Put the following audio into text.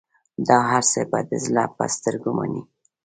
دا هرڅه به د زړه په سترګو منې.